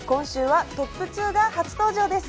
今週はトップ２が初登場です。